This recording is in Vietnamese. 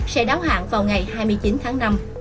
sẽ đáo hạn vào ngày hai mươi chín tháng năm